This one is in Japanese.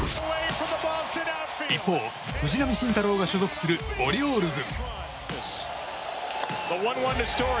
一方、藤浪晋太郎が所属するオリオールズ。